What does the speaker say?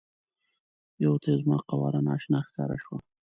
یوه ته یې زما قواره نا اشنا ښکاره شوه.